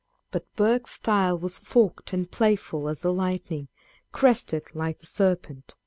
But Burke's style was forked and playful as the lightning, crested like the serpent.